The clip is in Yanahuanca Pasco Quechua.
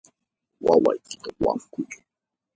wawaykita wankuy.